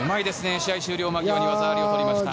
試合終了間際に技ありを取りました。